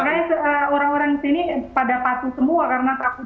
makanya orang orang di sini pada patuh semua karena takut